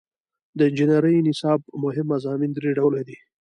د انجنیری د نصاب مهم مضامین درې ډوله دي.